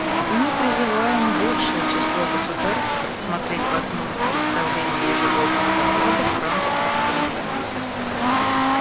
Мы призываем большее число государств рассмотреть возможность представления ежегодных докладов в рамках этого механизма.